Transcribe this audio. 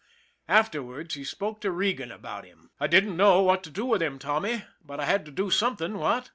Afterwards, he spoke to Regan about him. " I didn't know what to do with him, Tommy ; but I had to do something, what?